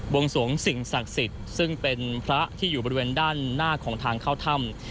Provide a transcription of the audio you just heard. วงสวงสิ่งศักดิ์สิทธิ์ซึ่งเป็นพระที่อยู่บริเวณด้านหน้าของทางเข้าถ้ำ